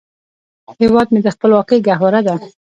هیواد مې د خپلواکۍ ګهواره ده